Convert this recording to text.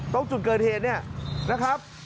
ตรงจุดเกิดเหตุเนี่ยนะครับ